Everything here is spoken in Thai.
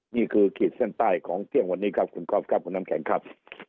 ขีดเส้นใต้ของเที่ยงวันนี้ครับคุณก๊อฟครับคุณน้ำแข็งครับ